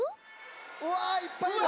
わあいっぱいいる。